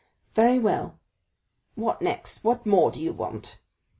"Very well!" "What next? what more do you want?"